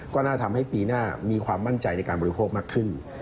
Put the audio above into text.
ก็น่าทำให้ปีหน้ามีความมั่นใจในการบริโภคมากขึ้น